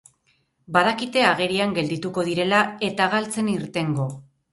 Badakite agerian geldituko direla eta galtzen irtengo.